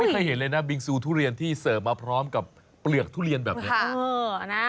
เคยเห็นเลยนะบิงซูทุเรียนที่เสิร์ฟมาพร้อมกับเปลือกทุเรียนแบบนี้